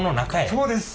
そうです！